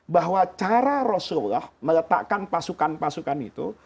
bahwa cara rasulullah meletakkan pasukan pasukan itu